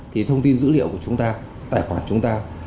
thì thông tin dữ liệu của chúng ta tài khoản chúng ta